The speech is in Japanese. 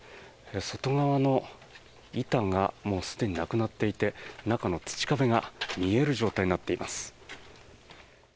外側の板がもうすでになくなっていて中の土壁が見える状態になっています。